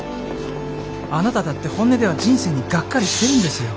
あなただって本音では人生にがっかりしてるんですよ。